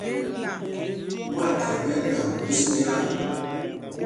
Mwâthɛmb ɛ́ ɛ́ nak phūs njāā.